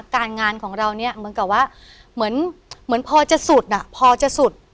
การงานของเรานี้เหมือนกับว่าเหมือนเหมือนพอจะสุดอ่ะพอจะสุด